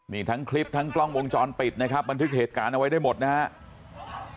นี่ทั้งคลิปทั้งกล้องวงจรปิดนะครับบันทึกเหตุการณ์เอาไว้ได้หมดนะครับ